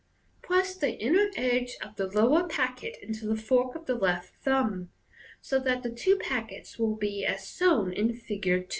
Press the inner edge of the lower packet into the fork of the left thumb, so that the two packets will be as shown in Fig.